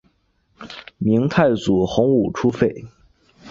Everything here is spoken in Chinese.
明太祖洪武初废。